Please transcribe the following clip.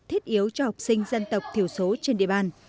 thiết yếu cho học sinh dân tộc thiểu số trên địa bàn